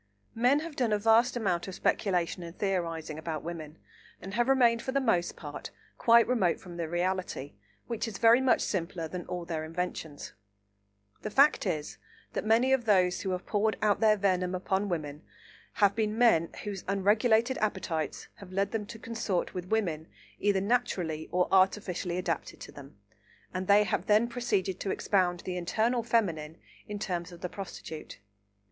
Men have done a vast amount of speculation and theorising about women, and have remained for the most part quite remote from the reality, which is very much simpler than all their inventions. The fact is that many of those who have poured out their venom upon women have been men whose unregulated appetites have led them to consort with women either naturally or artificially adapted to them, and they have then proceeded to expound the eternal feminine in terms of the prostitute.